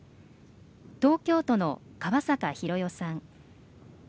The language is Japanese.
東京都の川坂浩代さん